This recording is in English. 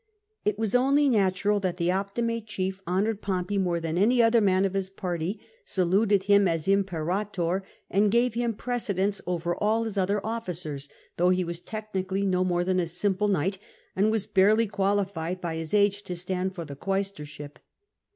It was only natural that the Optimate chief honoured Pompey more than any other man of his party, saluted him as Imjperator, and gave him precedence over all his other officers, though he was technically no more than a simple knight, and was barely qualified by his age to stand for the quaestorship.